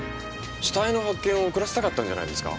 死体の発見を遅らせたかったんじゃないですか？